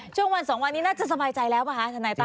ช่วงวันสองวันนี้น่าจะสบายใจแล้วป่ะคะทนายตั้